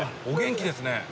お元気ですね。